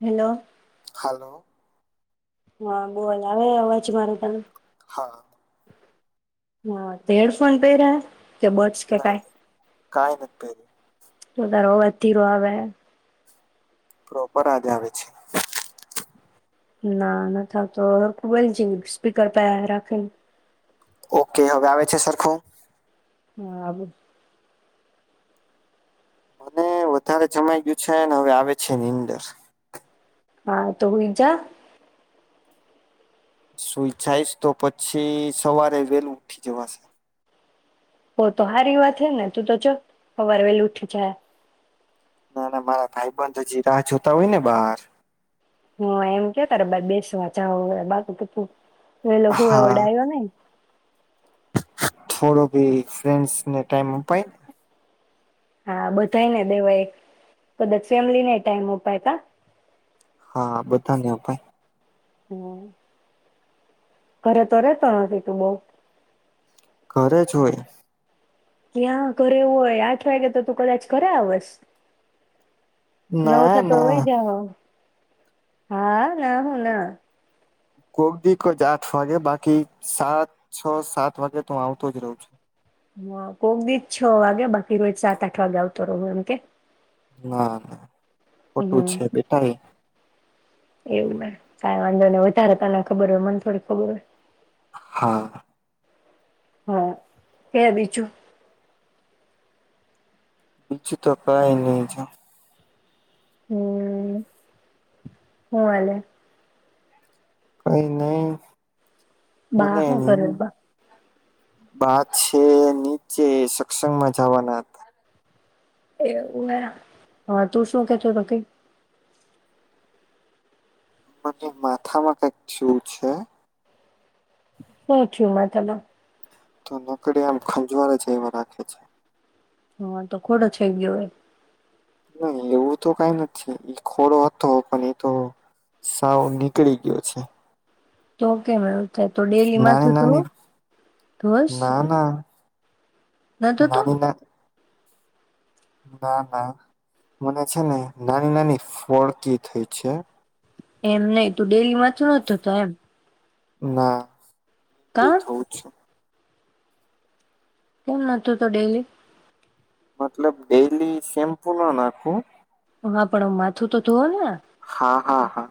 Hello. Hello. હા બોલ આવે અવાજ મારો તને હા. હા તે હેડફોન પહેર્યા? કે બર્ડસ કે ના કાય કઈ નથી પેહર્યું. પણ તારો અવાજ ધીરો આવે છે. પ્રોપર અવાજ આવે છે. ના નથી આવતો બલ જ સ્પીકર પ રાખીને. ઓકે હવે આવે છે સરખું. હા બોલ. મને વધારે જમાઈ ગયું છે હવે આવે છે એની અંદર. હા તો હુંઈ જા. સુઈ જાઈશ તો પછી સવારે વેલું ઉઠી જવાશે. ઓ તો સારી વાત હે ને તું તો સવારે વેલું ઉઠી જાય. ના ના મારા ભાઈ બન તો હજી રાહ જોતા હોયને બહાર. હ એમ કે ત બેસવા ચ બાકી શું? એ લખું એ હા વડ આવ્યો નઈ. થોડો બી ફ્રેન્ડ્સને ટાઈમ અપાય ને. હા બધાયને દેવાય એક કદાચ ફેમલીને ટાઈમ અપાય તા. હા બધાને અપાય. હમ. ઘરે તો રેતો નથી તું બઉ. ઘરે જ હોય. ત્યાં ઘરે હોય આઠ વાગે તો તું કદાચ કરે આવશ. નવ ના થતો ના હોય જા. હા ના હું ના. કોક દક જ આઠ વાગે બાકી સાત છ સાત વાગે તો આવતો જ રહું છું. હ કોક દીજ છ વાગે બાકી રોજ સાત આઠ વાગે આવતો રહ એમ કે. ના. ખોટું હમ છે બેટા એ. એવું કાય વાંધો ને વધારે તને ખબર હોય મને થોડી ખબર હોય. હા. હા કે બીજું? બીજું તો કઈ નહી જો. હમ્મ હ અલેે. કઈ નહી. બા મને હું કરે બા? બા છે નીચે સત્સંગમાં જવાના હતા. એવું હા તું શું કેતો તો ક મને માથામાં કંક શું છે. હું છે માથાનો? તો નકડી આમ ખંજવારા જ એવા રાખે છે. હા તો ખોડો થઈ ગયો એ. નહી એવું તો કઈ નથી છે, એ ખોડો હતો પણ એતો સાવ નીકળી ગયો છે. તો કેમ? તો ડેરી માં તો નાની નાની ના ના [inaudible] નતો તો. નાની ના ના ના મને છે ને નાની નાની ફોડકી થઈ છે. એમ નહિ તું ડેરીમાં [inaudible] નતો તો એમ. ના. એ કા થવું છું. કેમ નોતું તો ડેલી? મતલબ ડેલી શેમ્પુ ના નાખું. હ પણ માથું તો ધોવો‌ ને! હાં, હાં, હાં.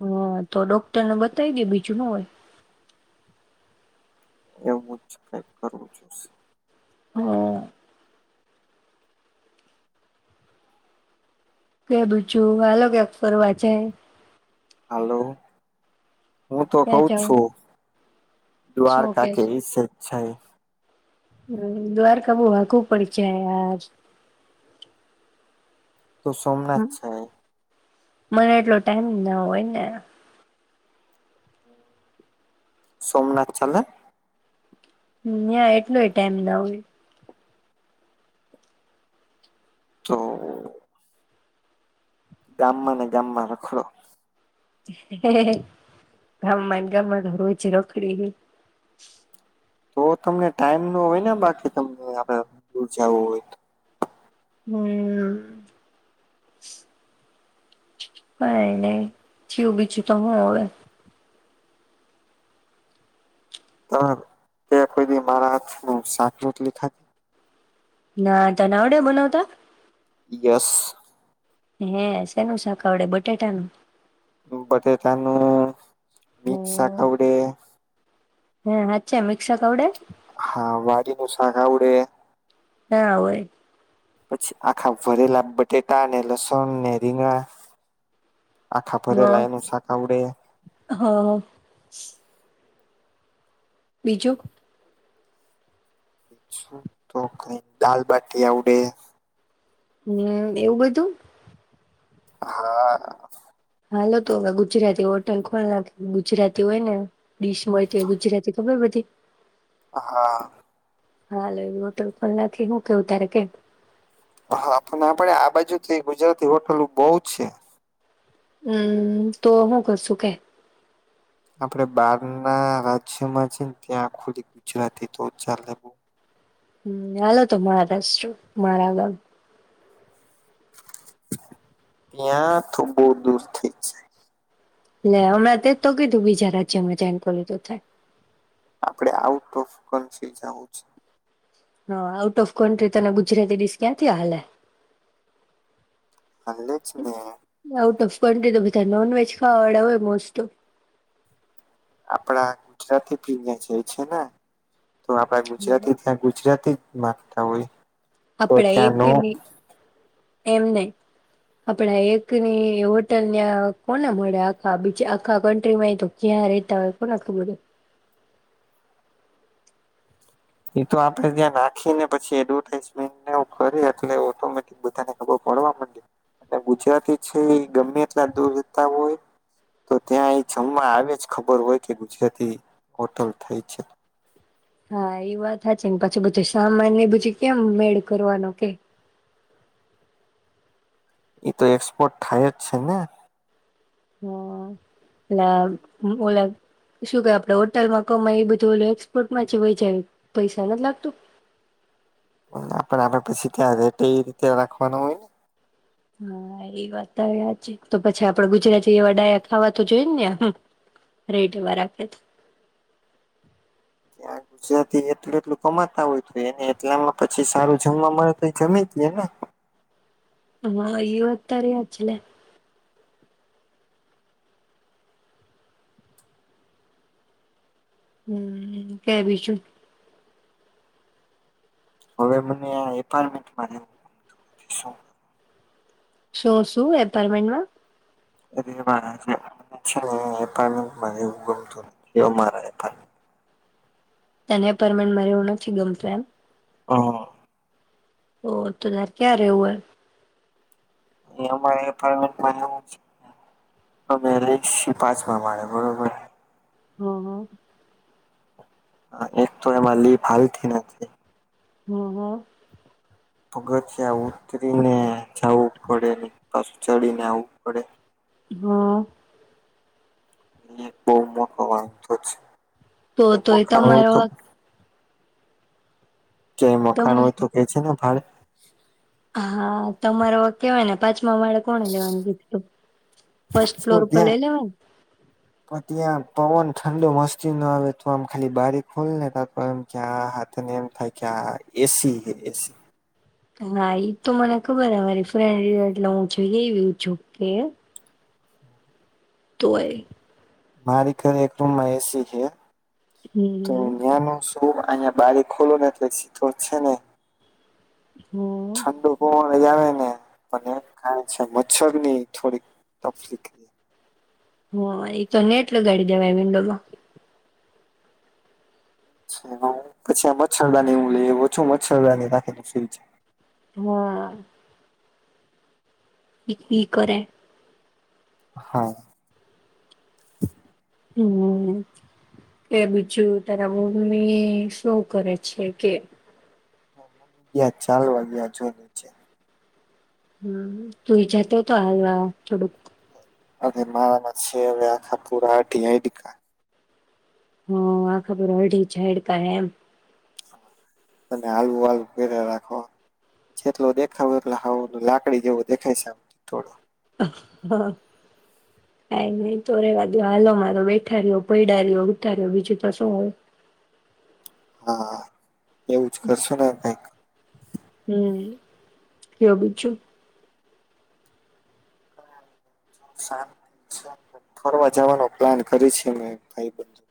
હાં તો ડોક્ટરને બતાવી દે બીજું ન હોય! એવું જ કઈક કરવું જોશે. હ. કે બીજું હાલો ક્યાંક ફરવા જાએ. હાલો. હું તો ક્યાં કહું જ જાવ છું. શું દ્વારકા કે વિસ છે. હ દ્વારકા બહુ આઘું પડી જાય યાર. તો સોમનાથ જાયે. મને એટલો ટાઈમ ના હોય ને. સોમનાથ ચાલે? ન્યાં એટલોય ટેમ ન હોય. તો ગામમાં ને ગામમાં રખડો. હે હે ગામમાં-ગામમાં તો રોજ રાખડીએ. તો તમને ટાઈમ નો હોય ને બાકી તમને આપણે દૂર જાવું હોય તો હમ કઈ નહી ચિયો બીજું તો હું હવે. તો તે કોઈ દી મારા હાથનુ સાક શાક રોટલી ખાધી? ના, તને‌ આવડે બનાવતા? યસ. હે.. શેનું શાક આવડે બટેટાનું? બટેકાનું- મિક્સ શાક હમ આવડે. હે હાચ્છે. મિક્સ શાક આવડે? હા વાડીનુ શાક આવડે. ના હોય. પછી આખા ભરેલા બટેટા ને, લસણ ને, ‌ રીંગણા આખા હ ભરેલા એનું શાક આવડે. હ બીજું. શું તો કઈ દાલબાટી આવડે. હમ એવું બધું હા હાલો તો હવે ગુજરાતી હોટલ ખોલ નાખ, ગુજરાતી હોય, ને ડીશ મળતી‌ હોય ‌ગુજરાતી ખબર બધી હા. હાલો એવી હોટલ પણ નથી. હું કેવું તારે કે. હાં પણ આપડે આ બાજુ તો એ ગુજરાતી હોટલો બહુ છે. હમ તો હું કરશું કે? આપણે બાર ના રાજ્યમાં છે, ને ત્યાં ખુલી ગુજરાતી તો ચાલે. હ હાલો તો મહારાષ્ટ્ર મારા ગામ. ત્યાં તો બહુ દૂર થઇ જાય. લે હમણાં તેજ તો કીધું બીજા રાજ્યમાં જઈને ખોલું તો થાય. આપડે આઉટ ઓફ કન્ટ્રી જાવું છે. હ.. આઉટ ઓફ કન્ટ્રી તને ગુજરાતી ડીશ ક્યાંથી હાલે. હાલે જ ને. [unintelligible] બધા નોનવેજ ખાવાવાળા હોય મોસ્ટ ઓફ. આપડા ગુજરાતી ભીને જાય છે ને. તો આપડા ઓફ ગુજરાતી ત્યાં ગુજરાતી. માગતા હોય. તો અપડા ત્યાં નો એ [inaudible] એમ નહિ આપડા એકની હોટલ ન્યા કોને મળે આખા બીજા આખા કન્ટ્રીમાં એ તો ક્યાં રેતા હોય કોના ખબર હોય. એ તો આપડે ત્યાં રાખીને પછી એડવર્ટાઈઝમેન્ટ ને એવું કરીએ એટલે ઓટોમેટિક બધાને ખબર પડવા માંડે અને ગુજરાતી છે એ ગમે એટલા દૂર રેતા હોય તો ત્યાં એ જમવા આવે જ ખબર હોય કે ગુજરાતી હોટલ થય છે. હા એ વાત સાચી ને પછી બધું સામાન ને પછી કેમ મેળ કરવાનો કે? એ તો એક્સપોર્ટ થાય જ છે ને. હા એ ઓલા ઓલા શું કે આપડે હોટલમાં કમાય એ બધું ઓ એક્સપોર્ટમાં છે વય જાય પૈસા નથી લાગતું? આપ આપણે પસી ત્યાં રેટ એ રીતે રાખવાનું હોય ને. હા એ વાત તો યા છે તો પછી આપડ ગુજરાતી એવા ડાયા ખાવા તો જોઈ ને ને રેટ એવા રાખે. ત્યાં ગુજરાતી એટલું-એટલું કમાતા હોય તો એને એટલામાં પછી સારું જમવા મળે તો એ જમી જ લે ને. હા યતર વછલે હમ્મ કે બીજું? હવે મને આ એપાર્ટમેન્ટમાં શો શું એપાર્ટમેન્ટમાં [unintelligible] તને પરમેન મરે એવું નથી ગમતું એમ? હા. ઓ તોર ક્યાં રેહવું હોય? અ અમારા એપારમેન્ટું [unintelligible] બરોબર. હા હા. હા એક તો એમાં લી ભાઈ થી ને. હા હા. પગથિયા ઉતરીને. જાવું પડે નઈ. પાસુ ચડીને આવવું પડે. હા. એ બઉ મોકો વાંધો છે. તો તો એ મકાન હોય તમારો. તો ક્યાય મકાન તમા હોય તો કે જે ને ભાડે? હા તમાર વ ક્યાયને પાચ તમારે કોને લેવાનું [unintelligible] ફર્સ્ટ તો ફ્લોર પર લઇ ત્યાં લેવાન પણ ત્યાં પવન ઠંડો મસ્તી નો આવે તો આમ ખાલી બારી ખોલ ને તા તો આમ ક્યાં હાથને એમ થાય કે આ એસી એસી તો હા ઈ તો મને ખબર હે મારી ફ્રેન્ડ એટલે હું જોઈ રહી છું કે તોય મારી ઘરે એક રૂમમાં એ સી છે. તો હમ [unintelligible] ખૂબ અહિયાં બારી ખોલો ને એટલે છી તો છે ને. હમ. ઠંડો પવન જ આવે ને. પણ એક કારણ છે મચ્છર ની થોડીક તફલીક. હ એ તો નેટ લગાડી દેવાય વિન્ડોમાં. પછી હું મચ્છરદાની હું લાય વો છું મચ્છરદાની રાખેલ છે. હા. [unintelligible] કરે. હા. હમ્મ કે બીજું તારા મમમી શું કરે છે કે. યા ચાલવા [unintelligible] હમ તું એ જતે હો તો હાલવા થોડુંક અને મારામાં છે હવે આખા [unintelligible] હ આ ખબર અઢી છેડ કા એમ અને હાલવુ વાલું પેરે રાખો જેટલો દેખાવો એટલા હાવ લાકડી જેવું દેખાય છે આમ તો થોડું હ કઈ નહી તો રેવા દયો હાલો મારો બેઠા રહ્યો પયદા રયો ઉથા રયો બીજું તો શું હોય હા. એવું જ કરશોના કાઈક. હમ્મ, કયો બીજું. [unintelligible] ફરવા જવાનો પ્લાન કરી છી અમે ભાઈબંધુ.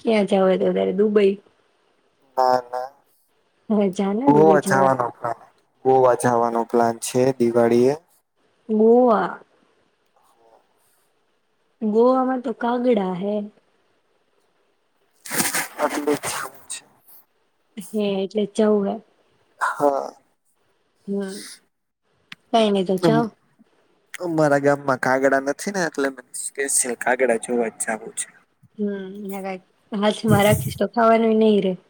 ક્યાં જાવા છે તારે દુબઈ. ના, ના. હવે જાને દુબઈ ગોવા જવાય જાવાનો પ્લાન. ગોવા જવાનો પ્લાન છે દિવાળીએ. ગોવા ગોવામાં તો કાગડા હે. આટલે જ જાવું છે. હે એટલે જવું હે. હા. હમ્મ. કઈ નહીં તો જાવ. મારા ગામમાં કાગડા નથી ને એટલે મને કે છે કાગડા જોવા જવું છે હમ્મ. [unintelligible] હા છે મારા ખિસ્તો ખાવાનું નહીિ [inaudible]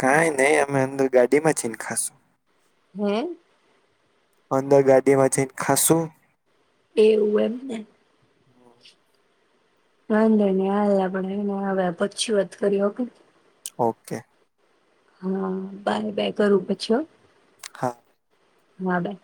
કાંઈ નહી અમે અંદર ગાડીમાં જઈન ખાશું. હમ્મ. અંદર ગાડીમાં જઈને ખાશું. એવું એમ ને. વાંધો નહીં હવે આપડે પછી વાત કરીએ ઓકે ઓકે. હા બાય-બાય કરું પછી હો. હા. ના અડાય.